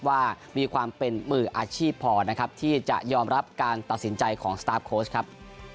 ว่ามีความเป็นมืออาชีพพอนะครับที่จะยอมรับการตัดสินใจของสตาร์ฟโค้ชครับ